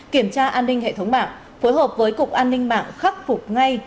kiểm tra an ninh hệ thống mạng phối hợp với cục an ninh mạng khắc phục ngay